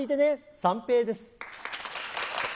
三平です。